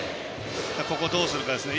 ここ、どうするかですね。